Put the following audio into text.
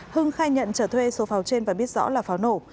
hưng khai nhận trở thuê số pháo trên và biết rõ là pháo nổ